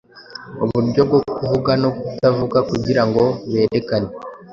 uburyo bwo kuvuga no kutavuga kugirango berekane